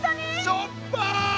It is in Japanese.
しょっぱい！